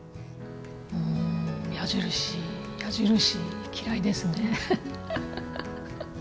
うん矢印矢印嫌いですね。